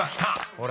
ほら！